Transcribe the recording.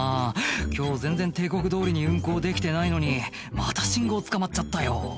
「今日全然定刻どおりに運行できてないのにまた信号つかまっちゃったよ」